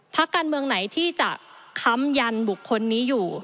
พักการเมืองไหนที่จะค้ำยันบุคคลนี้อยู่